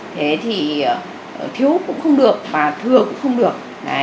thế thì thiếu cũng không được và thường cũng không được